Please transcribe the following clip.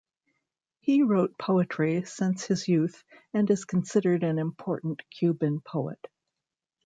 He wrote poetry since his youth and is considered an important Cuban poet.